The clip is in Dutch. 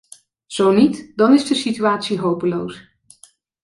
Zo niet, dan is de situatie hopeloos.